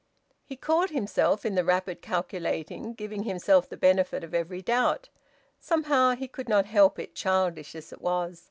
He caught himself, in the rapid calculating, giving himself the benefit of every doubt; somehow he could not help it, childish as it was.